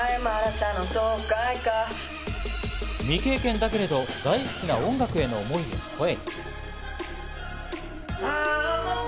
未経験だけれど大好きな音楽への思いを声に。